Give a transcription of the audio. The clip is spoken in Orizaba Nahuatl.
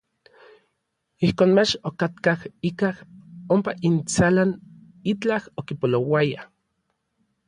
Ijkon mach okatkaj ikaj ompa intsalan itlaj okipolouaya.